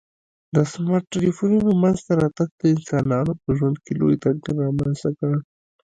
د سمارټ ټلیفون منځته راتګ د انسانانو په ژوند کي لوی تغیر رامنځته کړ